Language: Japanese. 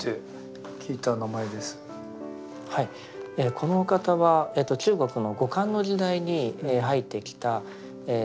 この方は中国の後漢の時代に入ってきた安息国。